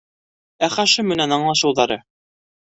Ә Хашим менән аңлашыуҙары?